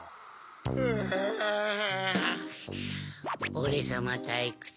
オレさまたいくつ。